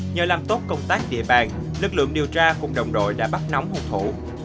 nhờ làm tốt công tác địa bàn lực lượng điều tra cùng đồng đội đã bắt nóng hụt thủ